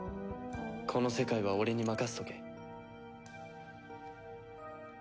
この世界は俺に任せとけ。